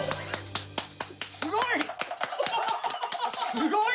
すごい！